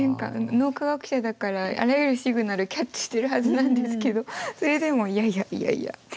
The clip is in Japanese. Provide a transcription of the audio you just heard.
脳科学者だからあらゆるシグナルキャッチしてるはずなんですけどそれでも「いやいやいやいや」って否定して。